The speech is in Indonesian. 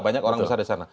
banyak orang besar di sana